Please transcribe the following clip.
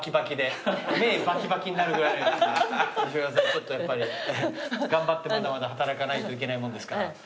ちょっとやっぱりね頑張ってまだまだ働かないといけないもんですから。